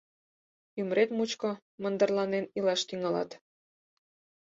Ӱмырет мучко мындырланен илаш тӱҥалат.